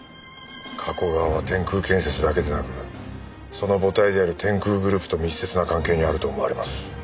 加古川は天空建設だけでなくその母体である天空グループと密接な関係にあると思われます。